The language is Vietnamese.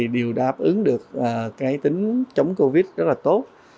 đều đáp ứng được cái tính chống covid rất là tốt